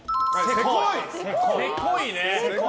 せこいね。